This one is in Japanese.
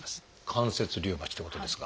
「関節リウマチ」ということですが。